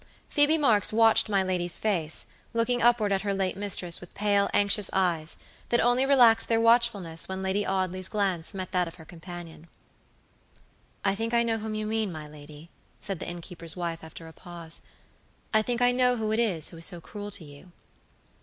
Phoebe Marks watched my lady's face, looking upward at her late mistress with pale, anxious eyes, that only relaxed their watchfulness when Lady Audley's glance met that of her companion. "I think I know whom you mean, my lady," said the innkeeper's wife, after a pause; "I think I know who it is who is so cruel to you."